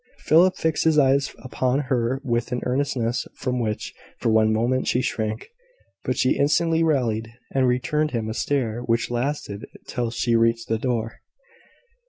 Philip fixed his eyes upon her with an earnestness from which, for one moment, she shrank; but she instantly rallied, and returned him a stare which lasted till she reached the door.